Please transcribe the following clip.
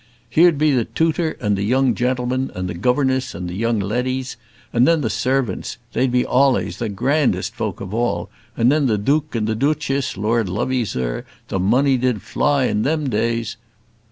Here'd be the tooter and the young gen'lmen, and the governess and the young leddies, and then the servants they'd be al'ays the grandest folk of all and then the duik and the doochess Lord love 'ee, zur; the money did fly in them days!